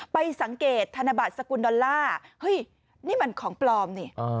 ไปสังเกตธนบัตรสกุลดอลลาร์เฮ้ยนี่มันของปลอมนี่